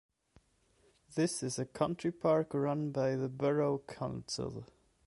This is a country park run by the borough council.